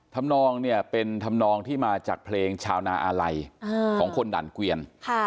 ทำน้องเป็นทำน้องที่มาจากเพลงชาวนาอาไลของคนดันเกวียน